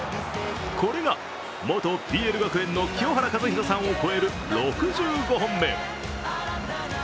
これが元ＰＬ学園の清原和博さんを超える６５本目。